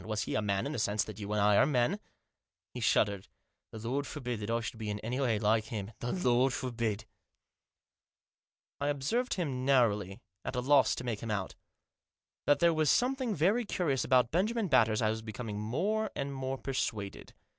Was he a man in the sense that you and I are men ?" He shuddered. " The Lord forbid that I should be in any way like him ; the Lord forbid !"" I observed him narrowly, at a loss to make him out. That there was something very curious about Benjamin Batters I was becoming more and more persuaded.